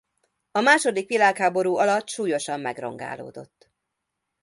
A második világháború alatt súlyosan megrongálódott.